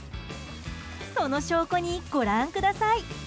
その証拠にご覧ください。